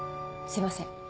すいません。